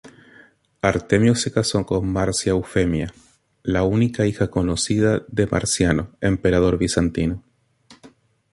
Antemio se casó con Marcia Eufemia, la única hija conocida de Marciano, emperador bizantino.